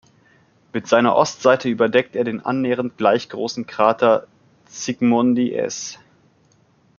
Mit seiner Ostseite überdeckt er den annähernd gleich großen Krater 'Zsigmondy S'.